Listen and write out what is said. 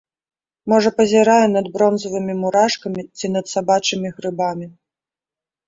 Можа пазірае над бронзавымі мурашкамі, ці над сабачымі грыбамі.